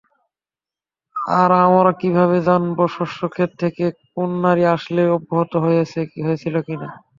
আর আমরা কিভাবে জানবো শস্যক্ষেত থেকে কোন নারী আসলেই অপহৃত হয়েছিল কিনা?